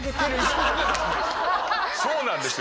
そうなんですよ。